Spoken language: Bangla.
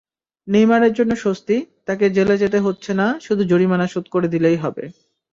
নেইমারের জন্য স্বস্তি—তাঁকে জেলে যেতে হচ্ছে না, শুধু জরিমানা শোধ করে দিলেই হবে।